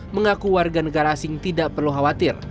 mengaku warga negara asing tidak perlu khawatir